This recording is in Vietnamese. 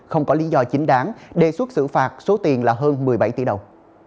không có lý do chính đáng đề xuất xử phạt số tiền là hơn một mươi bảy tỷ đồng